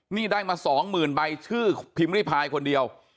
นี่ได้มาสองหมื่นใบชื่อพิมพ์ริพายคนเดียว